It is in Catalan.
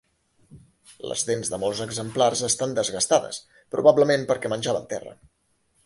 Les dents de molts exemplars estan desgastades, probablement perquè menjaven terra.